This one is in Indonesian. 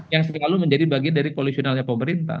yang selalu menjadi bagian dari koalisionalnya pemerintah